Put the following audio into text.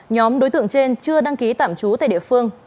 nhóm đối tượng trên chưa đăng ký tạm trú tại địa phương